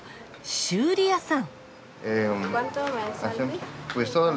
修理屋さん。